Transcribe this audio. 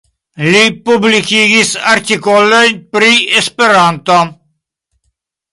Li publikigis artikolojn pri Esperanto.